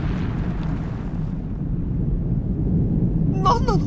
何なの？